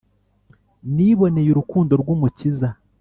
Niboney' urukundo rw'Umukiza,